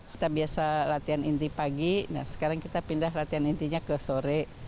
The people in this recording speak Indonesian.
kita biasa latihan inti pagi nah sekarang kita pindah latihan intinya ke sore